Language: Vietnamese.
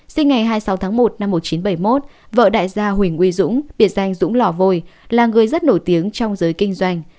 sinh ngày hai mươi sáu tháng một năm một nghìn chín trăm bảy mươi một vợ đại gia huỳnh uy dũng biệt danh dũng lò vôi là người rất nổi tiếng trong giới kinh doanh